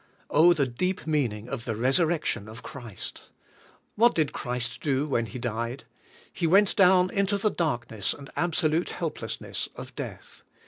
Oh, the deep meaning of the resurrection of Christ I What did Christ do when He died? He went down into the darkness and absolute helplessness of death.